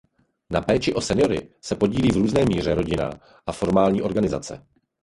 Na péči o seniory se podílí v různé míře rodina a formální organizace.